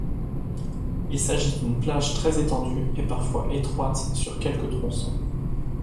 Il s'agit d'une plage très étendue et parfois étroite sur quelques tronçons.